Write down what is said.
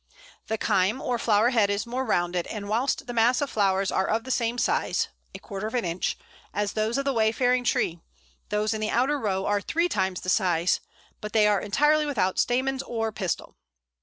The cyme or flower head is more rounded, and whilst the mass of flowers are of the same size (a quarter of an inch) as those of the Wayfaring tree, those in the outer row are three times the size but they are entirely without stamens or pistil!